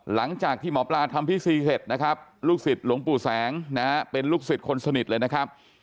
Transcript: หลังจากที่หมอปลาทำพิธีเสร็จนะครับลูกศิษย์หลวงปู่แสงนะฮะเป็นลูกศิษย์คนสนิทเลยนะครับ